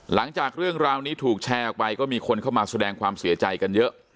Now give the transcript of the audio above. หลังจากเรื่องราวนี้ถูกแชร์ออกไปก็มีคนเข้ามาแสดงความเสียใจกันเยอะ